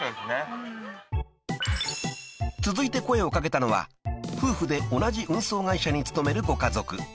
［続いて声を掛けたのは夫婦で同じ運送会社に勤めるご家族］